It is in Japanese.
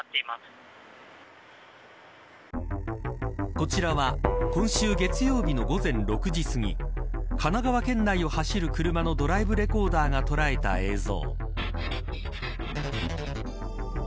こちらは今週月曜日の午前６時すぎ神奈川県内を走る車のドライブレコーダーが捉えた映像。